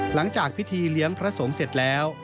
หลังจากพิธีเลี้ยงพระสงฆ์เสร็จแล้ว